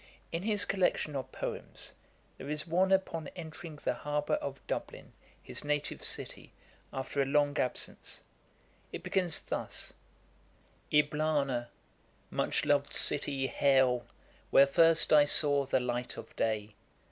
In his collection of poems, there is one upon entering the harbour of Dublin, his native city, after a long absence. It begins thus: 'Eblana! much lov'd city, hail! Where first I saw the light of day.'